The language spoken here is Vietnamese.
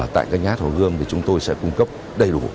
tại các nhà hát hồ gươm thì chúng tôi sẽ cung cấp đầy đủ